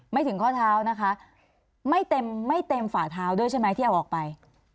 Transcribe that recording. ถึงข้อเท้านะคะไม่เต็มไม่เต็มฝ่าเท้าด้วยใช่ไหมที่เอาออกไป